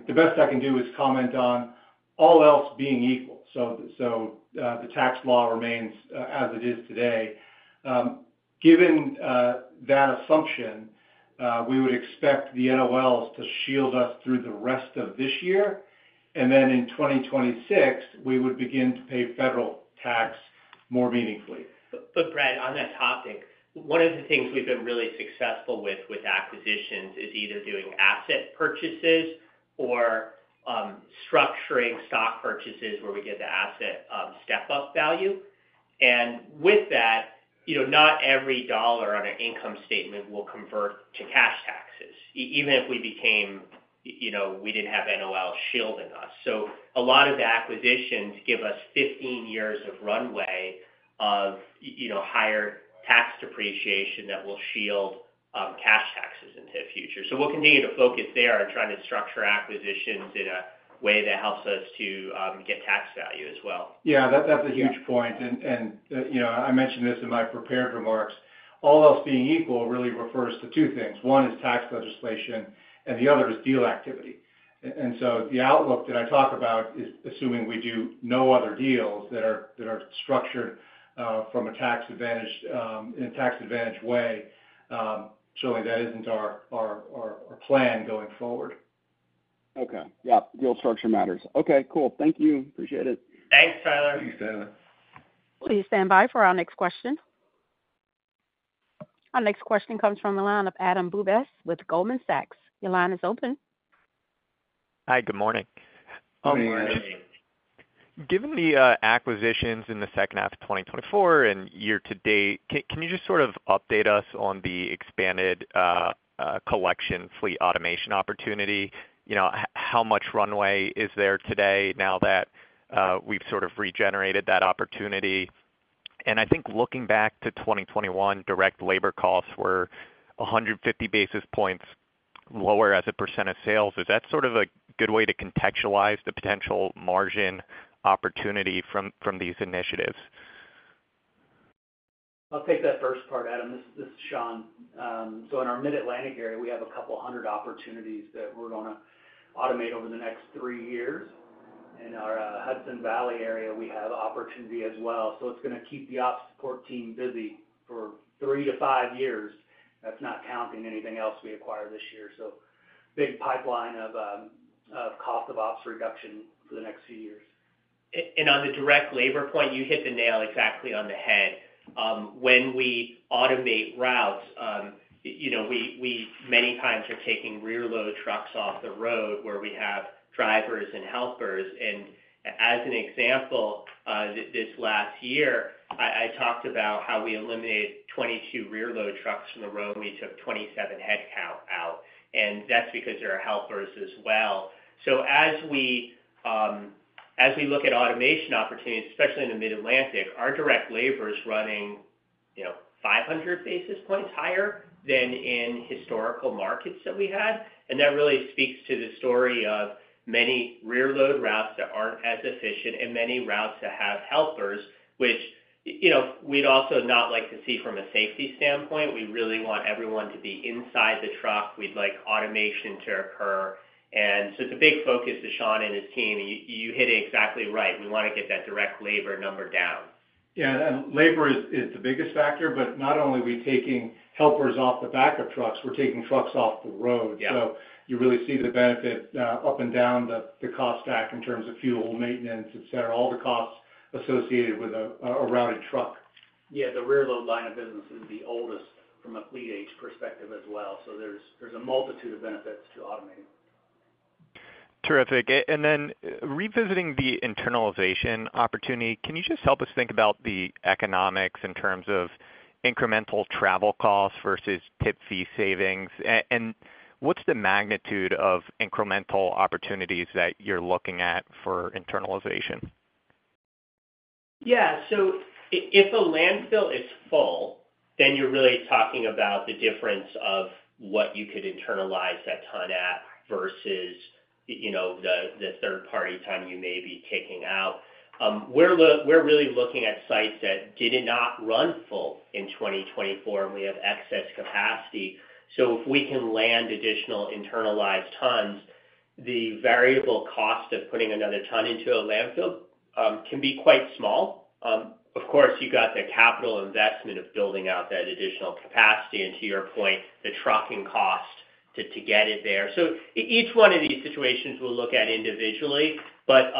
the best I can do is comment on all else being equal. So the tax law remains as it is today. Given that assumption, we would expect the NOLs to shield us through the rest of this year. And then in 2026, we would begin to pay federal tax more meaningfully. But Brad, on that topic, one of the things we've been really successful with acquisitions is either doing asset purchases or structuring stock purchases where we get the asset step-up value. And with that, not every dollar on an income statement will convert to cash taxes, even if we didn't have NOL shielding us. So a lot of the acquisitions give us 15 years of runway of higher tax depreciation that will shield cash taxes into the future. So we'll continue to focus there and try to structure acquisitions in a way that helps us to get tax value as well. Yeah. That's a huge point. And I mentioned this in my prepared remarks. All else being equal really refers to two things. One is tax legislation, and the other is deal activity. And so the outlook that I talk about is assuming we do no other deals that are structured from a tax-advantaged way. Surely that isn't our plan going forward. Okay. Yeah. Deal structure matters. Okay. Cool. Thank you. Appreciate it. Thanks, Tyler. Thanks, Tyler. Please stand by for our next question. Our next question comes from the line of Adam Bubes with Goldman Sachs. Your line is open. Hi. Good morning. Good morning. Given the acquisitions in the second half of 2024 and year to date, can you just sort of update us on the expanded collection fleet automation opportunity? How much runway is there today now that we've sort of regenerated that opportunity? And I think looking back to 2021, direct labor costs were 150 basis points lower as a % of sales. Is that sort of a good way to contextualize the potential margin opportunity from these initiatives? I'll take that first part, Adam. This is Sean. So in our Mid-Atlantic area, we have a couple hundred opportunities that we're going to automate over the next three years. In our Hudson Valley area, we have opportunity as well. So it's going to keep the ops support team busy for three to five years. That's not counting anything else we acquire this year. So big pipeline of cost of ops reduction for the next few years. And on the direct labor point, you hit the nail exactly on the head. When we automate routes, we many times are taking rear-load trucks off the road where we have drivers and helpers. And as an example, this last year, I talked about how we eliminated 22 rear-load trucks from the road. We took 27 headcount out. And that's because there are helpers as well. So as we look at automation opportunities, especially in the Mid-Atlantic, our direct labor is running 500 basis points higher than in historical markets that we had. And that really speaks to the story of many rear-load routes that aren't as efficient and many routes that have helpers, which we'd also not like to see from a safety standpoint. We really want everyone to be inside the truck. We'd like automation to occur. And so the big focus is Sean and his team. You hit it exactly right. We want to get that direct labor number down. Yeah. Labor is the biggest factor, but not only are we taking helpers off the back of trucks, we're taking trucks off the road. So you really see the benefit up and down the cost stack in terms of fuel, maintenance, etc., all the costs associated with a routed truck. Yeah. The rear-load line of business is the oldest from a fleet age perspective as well. So there's a multitude of benefits to automating. Terrific. And then revisiting the internalization opportunity, can you just help us think about the economics in terms of incremental travel costs versus tipping fee savings? And what's the magnitude of incremental opportunities that you're looking at for internalization? Yeah. So if a landfill is full, then you're really talking about the difference of what you could internalize that time at versus the third-party time you may be kicking out. We're really looking at sites that did not run full in 2024, and we have excess capacity. So if we can land additional internalized tons, the variable cost of putting another ton into a landfill can be quite small. Of course, you got the capital investment of building out that additional capacity. And to your point, the trucking cost to get it there. So each one of these situations we'll look at individually, but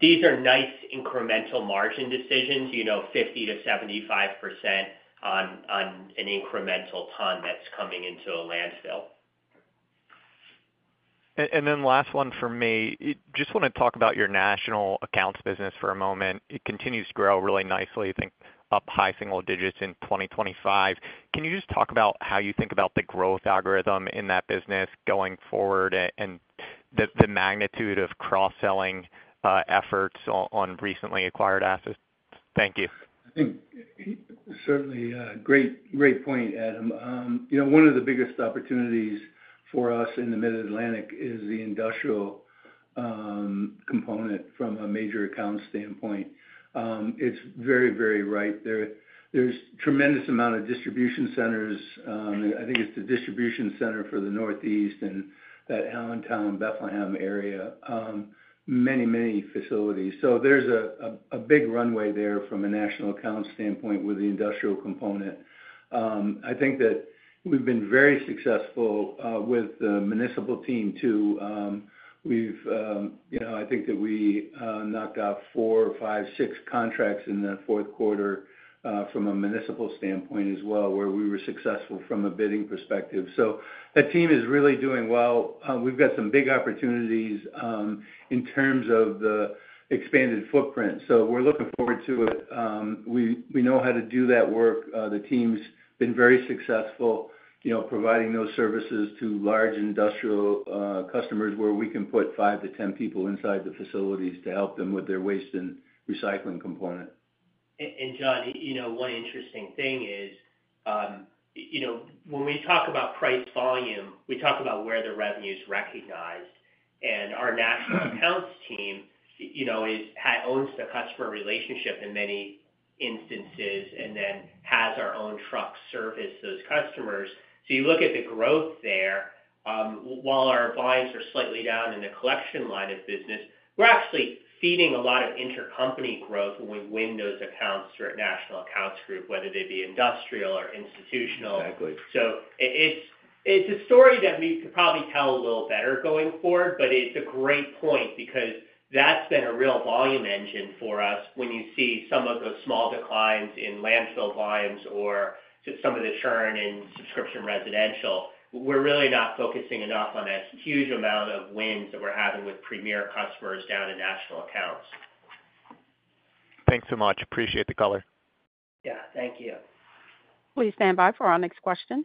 these are nice incremental margin decisions, 50%-75% on an incremental ton that's coming into a landfill. And then last one for me. Just want to talk about your national accounts business for a moment. It continues to grow really nicely, I think, up high single digits in 2025. Can you just talk about how you think about the growth algorithm in that business going forward and the magnitude of cross-selling efforts on recently acquired assets? Thank you. I think, certainly, great point, Adam. One of the biggest opportunities for us in the Mid-Atlantic is the industrial component from a major accounts standpoint. It's very, very right there. There's a tremendous amount of distribution centers. I think it's the distribution center for the Northeast and that Allentown, Bethlehem area, many, many facilities. So there's a big runway there from a national accounts standpoint with the industrial component. I think that we've been very successful with the municipal team too. I think that we knocked out four, five, six contracts in the Q4 from a municipal standpoint as well, where we were successful from a bidding perspective. So that team is really doing well. We've got some big opportunities in terms of the expanded footprint. So we're looking forward to it. We know how to do that work. The team's been very successful providing those services to large industrial customers where we can put five to 10 people inside the facilities to help them with their waste and recycling component. John, one interesting thing is when we talk about price volume, we talk about where the revenue is recognized. Our national accounts team owns the customer relationship in many instances and then has our own trucks service those customers. You look at the growth there. While our volumes are slightly down in the collection line of business, we're actually feeding a lot of intercompany growth when we win those accounts through our national accounts group, whether they be industrial or institutional. Exactly. So it's a story that we could probably tell a little better going forward, but it's a great point because that's been a real volume engine for us. When you see some of those small declines in landfill volumes or some of the churn in subscription residential, we're really not focusing enough on that huge amount of wins that we're having with premier customers down in national accounts. Thanks so much. Appreciate the color. Yeah. Thank you. Please stand by for our next question.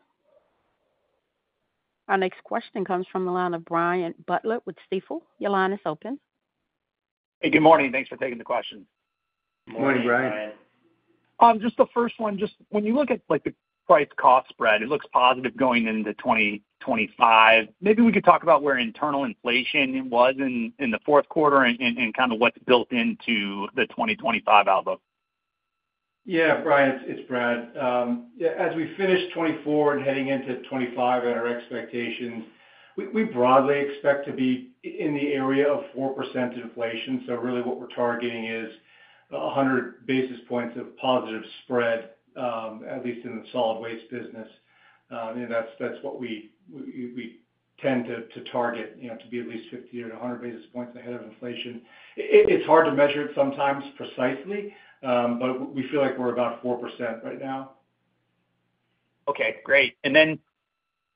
Our next question comes from the line of Brian Butler with Stifel. Your line is open. Hey, good morning. Thanks for taking the question. Morning, Brian. Just the first one. Just when you look at the price cost spread, it looks positive going into 2025. Maybe we could talk about where internal inflation was in the Q4 and kind of what's built into the 2025 outlook. Yeah. Brian, it's Brad. As we finish 2024 and heading into 2025 and our expectations, we broadly expect to be in the area of 4% inflation. So really what we're targeting is 100 basis points of positive spread, at least in the solid waste business. And that's what we tend to target, to be at least 50 or 100 basis points ahead of inflation. It's hard to measure it sometimes precisely, but we feel like we're about 4% right now. Okay. Great. And then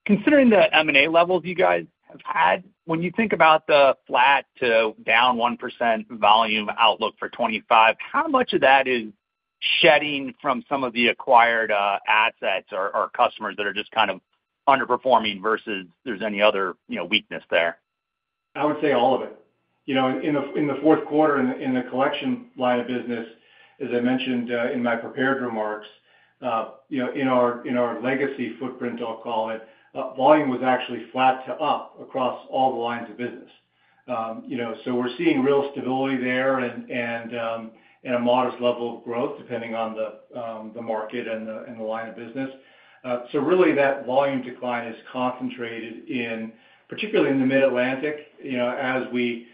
considering the M&A levels you guys have had, when you think about the flat to down 1% volume outlook for 2025, how much of that is shedding from some of the acquired assets or customers that are just kind of underperforming versus there's any other weakness there? I would say all of it. In the Q4 in the collection line of business, as I mentioned in my prepared remarks, in our legacy footprint, I'll call it, volume was actually flat to up across all the lines of business. So we're seeing real stability there and a modest level of growth depending on the market and the line of business. So really that volume decline is concentrated, particularly in the Mid-Atlantic as we,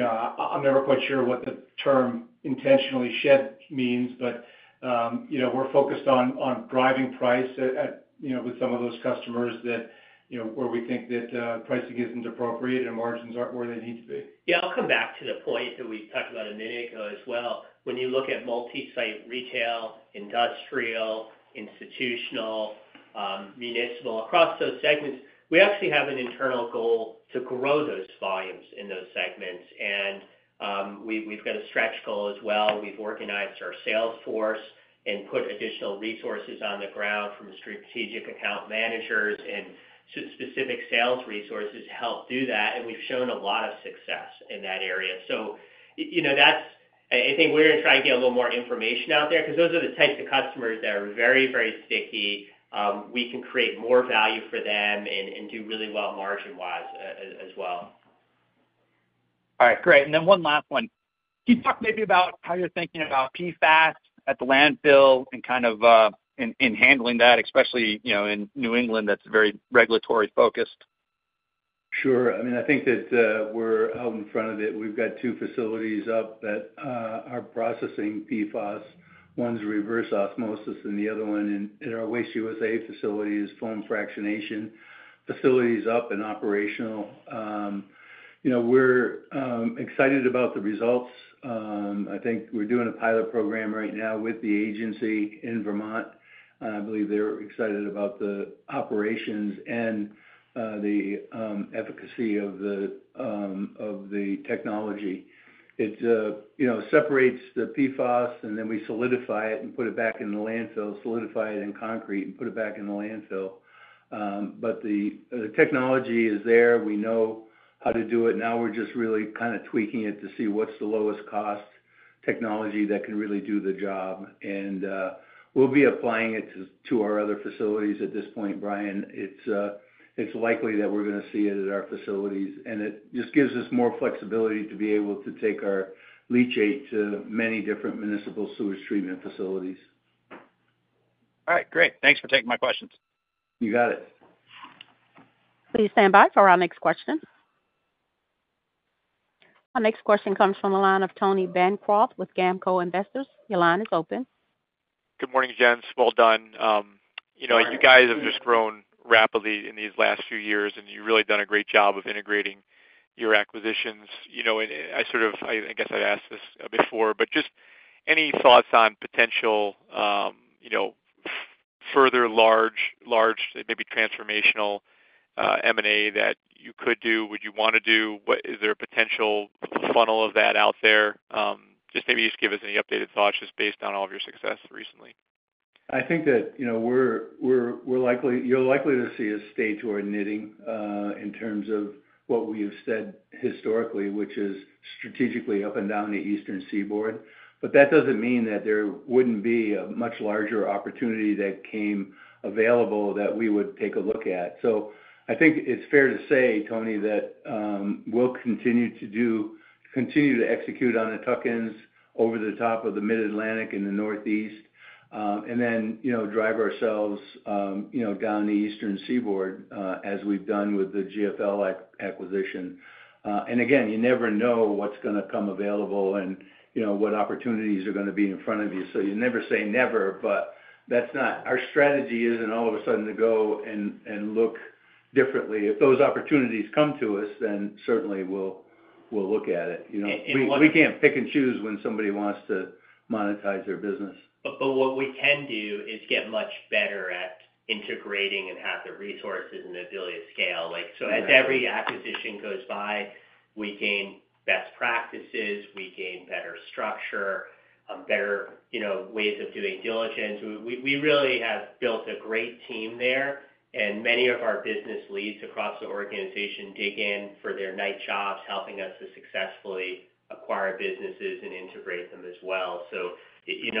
I'm never quite sure what the term intentionally shed means, but we're focused on driving price with some of those customers where we think that pricing isn't appropriate and margins aren't where they need to be. Yeah. I'll come back to the point that we talked about a minute ago as well. When you look at multi-site retail, industrial, institutional, municipal, across those segments, we actually have an internal goal to grow those volumes in those segments. And we've got a stretch goal as well. We've organized our sales force and put additional resources on the ground from strategic account managers and specific sales resources to help do that. And we've shown a lot of success in that area. So that's, I think, we're going to try and get a little more information out there because those are the types of customers that are very, very sticky. We can create more value for them and do really well margin-wise as well. All right. Great. And then one last one. Can you talk maybe about how you're thinking about PFAS at the landfill and kind of in handling that, especially in New England that's very regulatory focused? Sure. I mean, I think that we're out in front of it. We've got two facilities up that are processing PFAS. One's reverse osmosis, and the other one in our Waste USA facility is foam fractionation. Facility is up and operational. We're excited about the results. I think we're doing a pilot program right now with the agency in Vermont. I believe they're excited about the operations and the efficacy of the technology. It separates the PFAS, and then we solidify it and put it back in the landfill, solidify it in concrete and put it back in the landfill. But the technology is there. We know how to do it. Now we're just really kind of tweaking it to see what's the lowest cost technology that can really do the job. And we'll be applying it to our other facilities at this point, Brian. It's likely that we're going to see it at our facilities, and it just gives us more flexibility to be able to take our leachate to many different municipal sewage treatment facilities. All right. Great. Thanks for taking my questions. You got it. Please stand by for our next question. Our next question comes from the line of Tony Bancroft with GAMCO Investors. Your line is open. Good morning, Gents. Well done. You guys have just grown rapidly in these last few years, and you've really done a great job of integrating your acquisitions. I guess I've asked this before, but just any thoughts on potential further large, maybe transformational M&A that you could do? Would you want to do? Is there a potential funnel of that out there? Just maybe give us any updated thoughts just based on all of your success recently. I think that we're likely to see a stage where we're knitting in terms of what we have said historically, which is strategically up and down the Eastern Seaboard. But that doesn't mean that there wouldn't be a much larger opportunity that came available that we would take a look at. So I think it's fair to say, Tony, that we'll continue to execute on the tuck-ins over the top of the Mid-Atlantic and the Northeast, and then drive ourselves down the Eastern Seaboard as we've done with the GFL acquisition. And again, you never know what's going to come available and what opportunities are going to be in front of you. So you never say never, but that's not our strategy. It isn't all of a sudden to go and look differently. If those opportunities come to us, then certainly we'll look at it. We can't pick and choose when somebody wants to monetize their business. But what we can do is get much better at integrating and have the resources and the ability to scale. So as every acquisition goes by, we gain best practices. We gain better structure, better ways of doing diligence. We really have built a great team there. And many of our business leads across the organization dig in for their night jobs, helping us to successfully acquire businesses and integrate them as well. So it's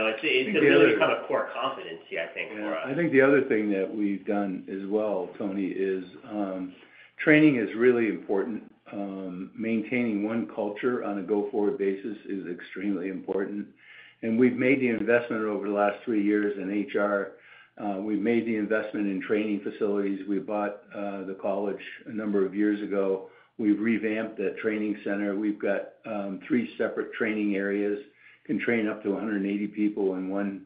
really become a core competency, I think, for us. I think the other thing that we've done as well, Tony, is training is really important. Maintaining one culture on a go-forward basis is extremely important, and we've made the investment over the last three years in HR. We've made the investment in training facilities. We bought the college a number of years ago. We've revamped that training center. We've got three separate training areas. You can train up to 180 people in one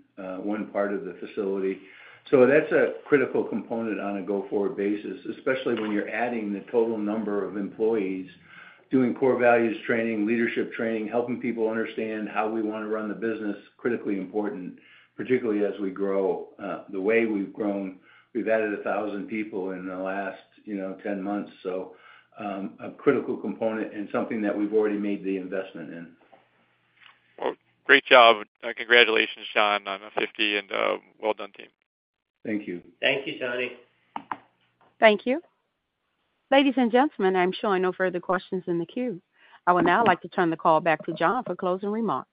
part of the facility. So that's a critical component on a go-forward basis, especially when you're adding the total number of employees, doing core values training, leadership training, helping people understand how we want to run the business, critically important, particularly as we grow the way we've grown. We've added 1,000 people in the last 10 months. So a critical component and something that we've already made the investment in. Great job. `Congratulations, John, on the 50. Well done, team. Thank you. Thank you, Tony. Thank you. Ladies and gentlemen, I'm sure we have no further questions in the queue. I would now like to turn the call back to John for closing remarks.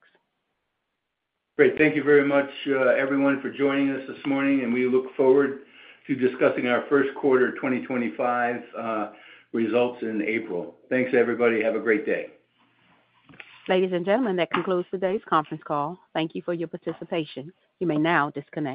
Great. Thank you very much, everyone, for joining us this morning, and we look forward to discussing our Q1 2025 results in April. Thanks, everybody. Have a great day. Ladies and gentlemen, that concludes today's conference call. Thank you for your participation. You may now disconnect.